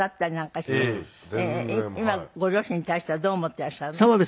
今ご両親に対してはどう思っていらっしゃるの？